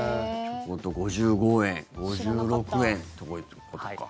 ５５円、５６円っていうことか。